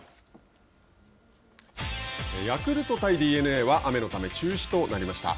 ヤクルト対ＤｅＮＡは雨のため中止となりました。